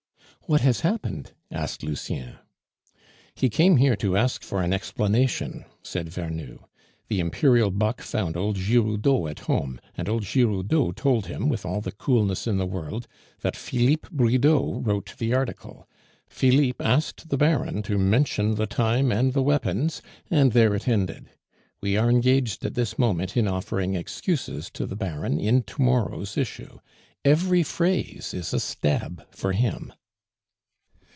"What has happened?" asked Lucien. "He came here to ask for an explanation," said Vernou. "The Imperial buck found old Giroudeau at home; and old Giroudeau told him, with all the coolness in the world, that Philippe Bridau wrote the article. Philippe asked the Baron to mention the time and the weapons, and there it ended. We are engaged at this moment in offering excuses to the Baron in to morrow's issue. Every phrase is a stab for him."